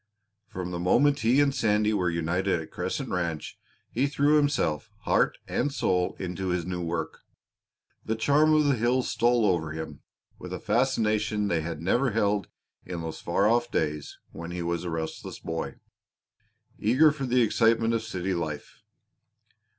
From the moment he and Sandy were united at Crescent Ranch he threw himself heart and soul into his new work. The charm of the hills stole over him with a fascination they had never held in those far off days when he was a restless boy, eager for the excitement of city life.